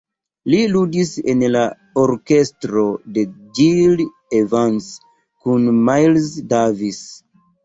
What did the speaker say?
Li ludis en la orkestro de Gil Evans kun Miles Davis.